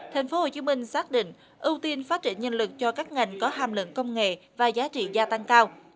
thành phố hồ chí minh xác định ưu tiên phát triển nhân lực cho các ngành có hàm lượng công nghệ và giá trị gia tăng cao